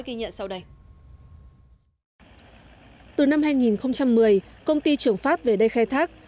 từ năm hai nghìn một mươi công ty trường phát về đây khai thác